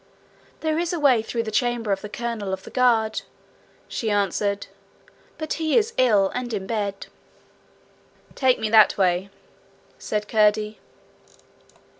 'There is a way through the chamber of the colonel of the guard,' she answered, 'but he is ill, and in bed.' 'Take me that way,' said Curdie.